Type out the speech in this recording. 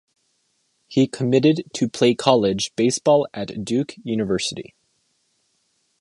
He committed to play college baseball at Duke University.